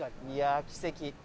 いやあ奇跡。